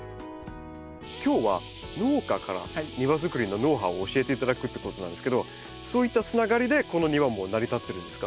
今日は農家から庭づくりのノウハウを教えていただくってことなんですけどそういったつながりでこの庭も成り立ってるんですか？